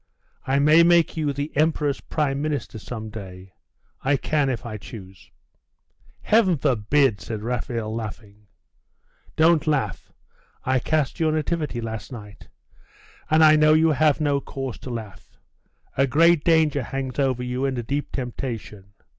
I may make you the emperor's prime minister some day. I can if I choose.' 'Heaven forbid!' said Raphael, laughing. 'Don't laugh. I cast your nativity last night, and I know you have no cause to laugh. A great danger hangs over you, and a deep temptation.